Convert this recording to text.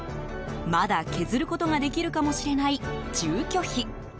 まだ削ることができるかもしれない住居費。